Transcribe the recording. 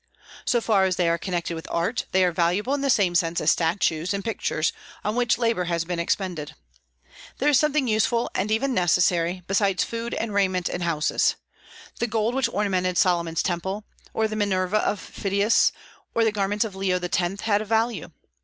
So far as they are connected with art, they are valuable in the same sense as statues and pictures, on which labor has been expended. There is something useful, and even necessary, besides food and raiment and houses. The gold which ornamented Solomon's temple, or the Minerva of Phidias, or the garments of Leo X., had a value.